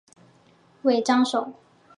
尾张守。